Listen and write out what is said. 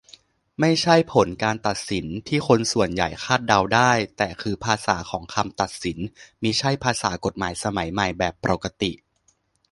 ไม่ใช่ผลการตัดสิน ที่คนส่วนใหญ่คาดเดาได้ แต่คือภาษาของคำตัดสิน- มิใช่ภาษากฎหมายสมัยใหม่แบบปรกติ